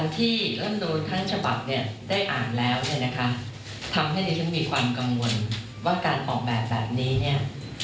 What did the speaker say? ทำให้ทำให้ท่านมีความกังวลว่าการออกแบบแบบนี่เนี่ย